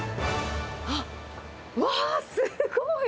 あっ、うわー、すごい！